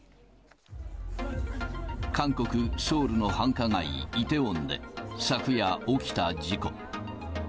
韓国・ソウルの繁華街、イテウォンで昨夜起きた事故。